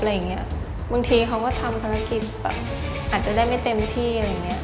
บางทีเขาก็ทำภารกิจอาจจะได้ไม่เต็มที่